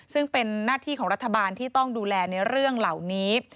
ซึ่งเป็นหน้าที่ของรัฐบาลที่ต้องดูแลในเรื่องเหล่านี้